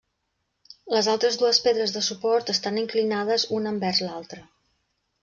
Les altres dues pedres de suport estan inclinades una envers l'altra.